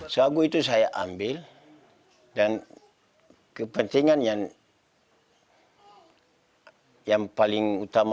sagu itu saya ambil dan kepentingan yang paling utama